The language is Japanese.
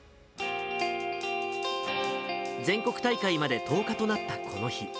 全国大会まで１０日となったこの日。